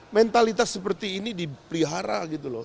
mentalitas seperti ini dipelihara gitu loh